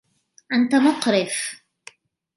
أنت مقرف!